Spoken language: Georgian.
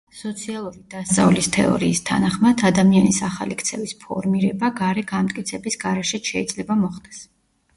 სოციალური დასწავლის თეორიის თანახმად, ადამიანის ახალი ქცევის ფორმირება გარე განმტკიცების გარეშეც შეიძლება მოხდეს.